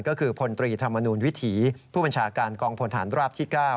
ก็คือพลตรีธรรมนูลวิถีผู้บัญชาการกองพลฐานราบที่๙